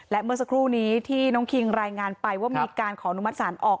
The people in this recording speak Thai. และเมื่อสักครู่นี้ที่น้องคิงรายงานไปว่ามีการขออนุมัติศาลออก